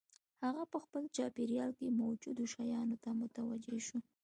هغه په خپل چاپېريال کې موجودو شيانو ته متوجه شو.